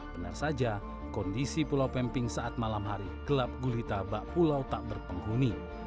benar saja kondisi pulau pemping saat malam hari gelap gulita bak pulau tak berpenghuni